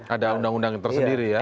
ada undang undang tersendiri ya